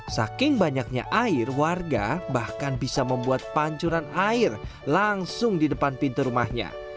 saking banyaknya air warga bahkan bisa membuat pancuran air langsung di depan pintu rumahnya